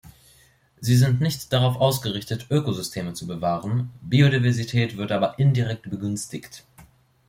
Sie sind nicht darauf ausgerichtet, Ökosysteme zu bewahren, Biodiversität wird aber indirekt begünstigt.